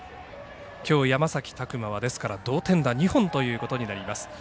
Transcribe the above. きょう、山崎琢磨は同点打２本ということになります。